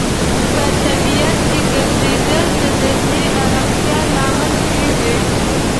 په طبیعت کې ګرځیدل د ذهني آرامتیا لامل کیږي.